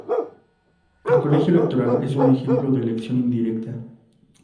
El colegio electoral es un ejemplo de elección indirecta.